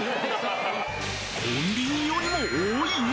コンビニよりも多い！？